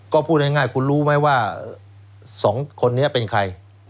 ก็พูดง่ายคุณรู้ไหมว่า๒คนนี้เป็นใคร